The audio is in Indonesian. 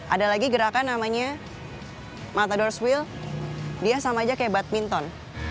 ada lagi gerakan namanya matadorswill dia sama aja kayak badminton